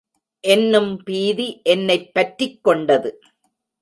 என்னும் பீதி என்னைப் பற்றிக்கொண்டது.